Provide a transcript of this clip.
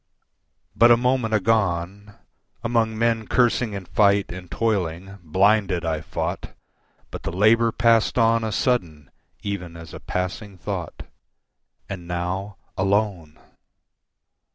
But a moment agone, Among men cursing in fight and toiling, blinded I fought, But the labour passed on a sudden even as a passing thought, And now alone!